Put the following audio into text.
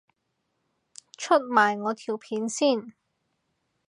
出埋我段片先